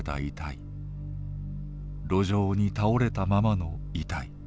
路上に倒れたままの遺体。